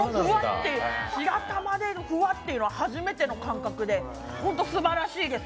白玉でフワッ！ていうのはもう初めての感覚で、すばらしいです。